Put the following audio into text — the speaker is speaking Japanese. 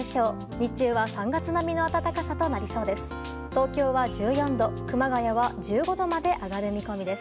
日中は３月並みの暖かさとなりそうです。